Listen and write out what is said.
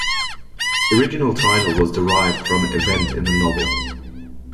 The original title was derived from an event in the novel.